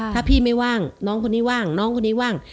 ถ้าพี่ไม่ว่างน้องคนนี้ว่างน้องคนนี้ว่าง